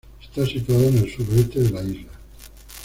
Está situado en el suroeste de la isla.